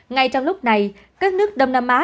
ngay trong lúc này các nước đông nam á